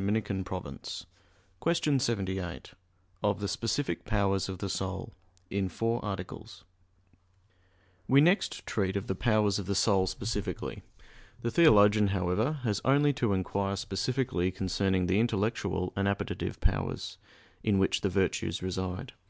ii, 24). _______________________ QUESTION 78 OF THE SPECIFIC POWERS OF THE SOUL (In Four Articles) We next treat of the powers of the soul specifically. The theologian, however, has only to inquire specifically concerning the intellectual and appetitive powers, in which the virtues reside.